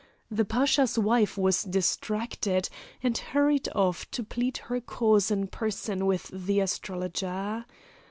The Pasha's wife was distracted, and hurried off to plead her cause in person with the astrologer.